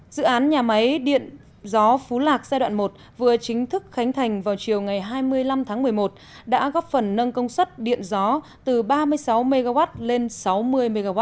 dự án nhà máy điện gió phú lạc giai đoạn một vừa chính thức khánh thành vào chiều ngày hai mươi năm tháng một mươi một đã góp phần nâng công suất điện gió từ ba mươi sáu mw lên sáu mươi mw